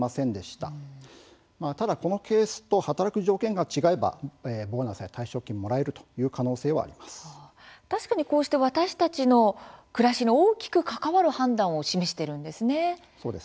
ただ、このケースと働く条件が違えばボーナスや退職金をもらえる確かに、こうして私たちの暮らしに大きく関わる判断を示しているんですね。